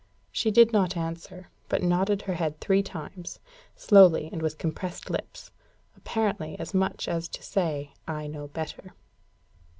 She did not answer, but nodded her head three times, slowly and with compressed lips apparently as much as to say, "I know better."